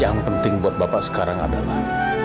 yang penting buat bapak sekarang adalah